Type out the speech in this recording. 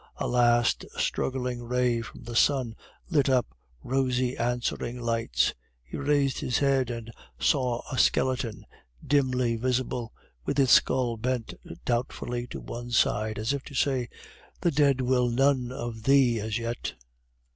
A last struggling ray from the sun lit up rosy answering lights. He raised his head and saw a skeleton dimly visible, with its skull bent doubtfully to one side, as if to say, "The dead will none of thee as yet."